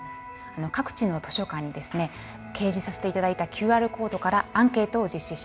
各地の図書館に掲示させて頂いたＱＲコードからアンケートを実施しました。